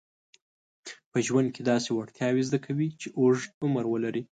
په ژوند کې داسې وړتیاوې زده کوي چې اوږد عمر ولري.